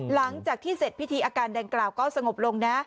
หลังจากที่เสร็จพิธีอาการดังกล่าวก็สงบลงนะ